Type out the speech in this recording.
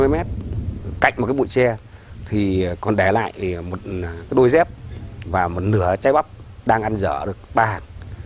một mươi năm hai mươi mét cạnh một cái bụi tre thì còn để lại một đôi dép và một nửa trái bắp đang ăn dở được ba hạt